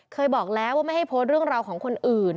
เคยบอกแล้วว่าไม่ให้โพสต์เรื่องราวของคนอื่น